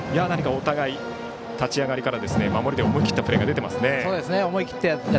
お互い、立ち上がりから守りで思い切ったプレーが出てますね。